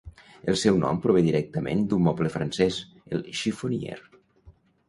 El seu nom prové directament d'un moble francès, el "chiffoniere".